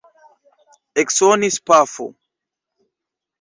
Eksonis pafo.